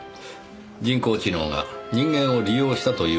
人工知能が人間を利用したという事ですか？